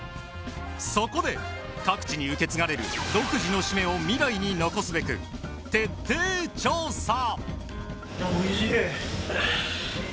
そこで各地に受け継がれる独自の〆を未来に残すべく徹底調査！